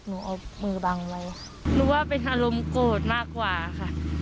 หนูเอามือบังไว้หนูว่าเป็นอารมณ์โกรธมากกว่าค่ะ